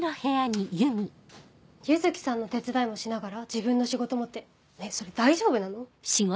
柚木さんの手伝いもしながら自分の仕事もってねぇそれ大丈夫なの？